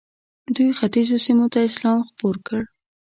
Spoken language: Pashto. دوی ختیځو سیمو ته اسلام خپور کړ.